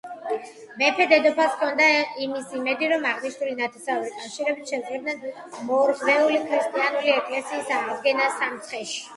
მეფე-დედოფალს ჰქონდა იმის იმედი, რომ აღნიშნული ნათესაური კავშირებით შესძლებდნენ მორღვეული ქრისტიანული ეკლესიის აღდგენას სამცხეში.